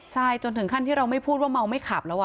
ใช่จนถึงขั้นที่เราไม่พูดว่าเมาไม่ขับแล้ว